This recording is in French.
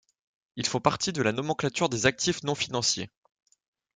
Ils font partie de la nomenclature des actifs non financiers.